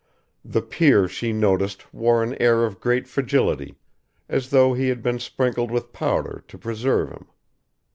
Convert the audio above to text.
The peer she noticed wore an air of great fragility, as though he had been sprinkled with powder to preserve him.